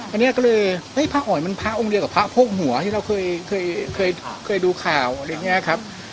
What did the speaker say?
อันนี้ก็เลยเฮ้ยพระอ๋อยมันพระองค์เดียวกับพระโพกหัวที่เราเคยดูข่าวอะไรอย่างนี้ครับ